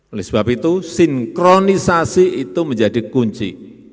oleh sebab itu sinkronisasi itu menjadi kunci